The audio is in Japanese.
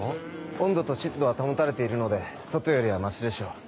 温度と湿度は保たれているので外よりはマシでしょう。